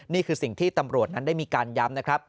นี่คือสิ่งที่ตำรวจนั้นได้มีการย้ำนะครับ